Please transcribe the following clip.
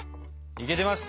いけてます！